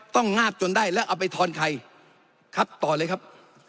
งาบจนได้แล้วเอาไปทอนใครครับต่อเลยครับ